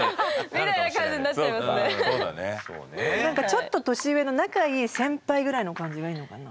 ちょっと年上の仲いい先輩ぐらいの感じがいいのかな？